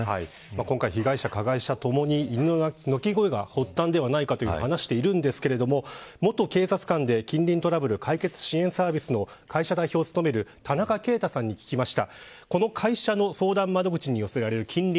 今回、被害者、加害者ともに犬の鳴き声が発端ではないかと話しているんですが元警察官で、近隣トラブル解決支援サービスの会社代表を務める田中慶太さんに聞きました。